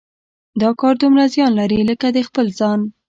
دا کار دومره زیان لري لکه د خپل ځان.